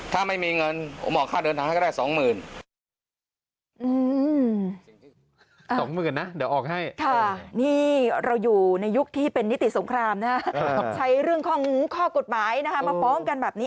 ถ้าไม่มีเงินผมออกค่าเดินทางให้ได้สองหมื่น